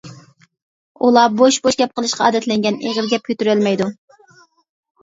ئۇلار بوش بوش گەپ قىلىشقا ئادەتلەنگەن، ئېغىر گەپ كۆتۈرەلمەيدۇ.